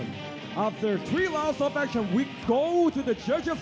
หลังจาก๓รอบแอคชั่นเราไปกันกันกับตัวจัดการ